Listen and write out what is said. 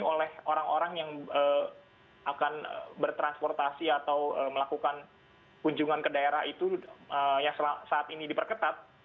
oleh orang orang yang akan bertransportasi atau melakukan kunjungan ke daerah itu yang saat ini diperketat